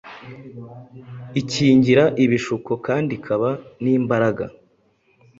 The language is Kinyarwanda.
ikingira ibishuko kandi ikaba n’imbaraga